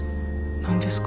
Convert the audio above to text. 何ですか？